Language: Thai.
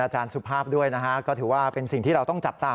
สุภาพด้วยนะฮะก็ถือว่าเป็นสิ่งที่เราต้องจับตา